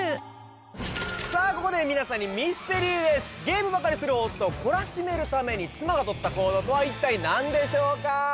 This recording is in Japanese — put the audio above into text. ここで皆さんにミステリーですゲームばかりする夫を懲らしめるために妻がとった行動とは一体何でしょうか？